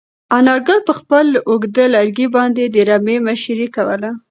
انارګل په خپل اوږد لرګي باندې د رمې مشري کوله.